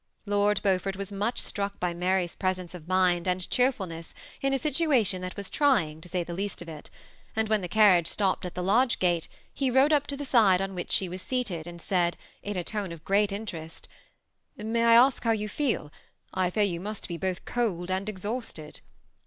Lord Beaufort was much struck by Mary's presence of mind and cheerfulness in a situation that was trying, to say the least of it ; and when the carriage stopped at the lodge gate, he rode up to the side on which she was seated, and said, in a tone of great interest, '* May I ask how you feel ? I fear you must be both cold and exhausted."